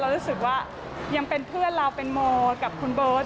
รู้สึกว่ายังเป็นเพื่อนเราเป็นโมกับคุณเบิร์ต